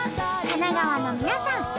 神奈川の皆さん